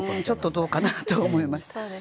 ちょっとどうかなと思いました。